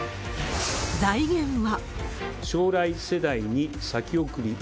財源は。